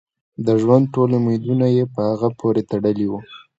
د ژوند ټول امیدونه یې په هغه پورې تړلي وو.